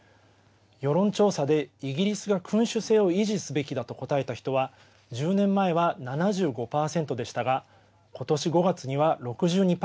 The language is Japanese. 世論調査でイギリスが君主制を維持すべきだと答えた人は１０年前は７５％でしたが今年５月には６２％。